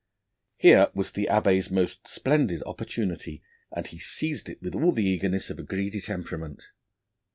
Here was the Abbé's most splendid opportunity, and he seized it with all the eagerness of a greedy temperament.